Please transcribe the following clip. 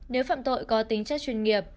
nếu phạm tội có tính chất chuyên nghiệp